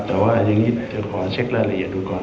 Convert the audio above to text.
แต่ว่าอย่างนี้เดี๋ยวขอเช็ครายละเอียดดูก่อน